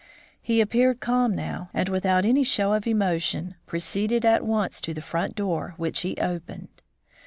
He appeared calm now, and without any show of emotion proceeded at once to the front door, which he opened.